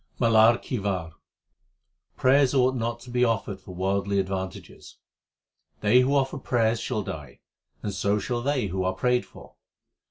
MALAR KI WAR Prayers ought not to be offered for worldly advan tages : They who offer prayers shall die, and so shall they who are prayed for.